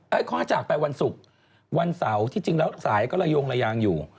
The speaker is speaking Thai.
ข้อจากไปวันศุกร์วันเสาร์ที่จริงแล้วสายก็ระยงระยางอยู่